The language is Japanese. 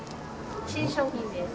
新商品です。